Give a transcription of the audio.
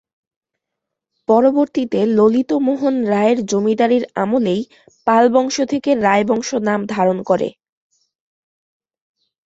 পরবর্তীতে ললিত মোহন রায়ের জমিদারীর আমলেই "পাল বংশ" থেকে "রায় বংশ" নাম ধারণ করে।